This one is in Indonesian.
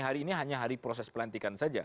hari ini hanya hari proses pelantikan saja